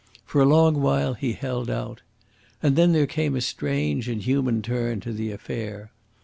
For a long while he held out. And then there came a strange and human turn to the affair.